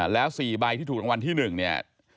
แล้ว๔ใบที่ถูกรางวัลที่๑เนี่ย